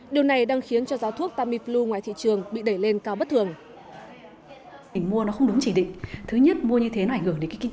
điều này đang khiến cho giáo thuốc tamiflu ngoài thị trường bị đẩy lên cao bất thường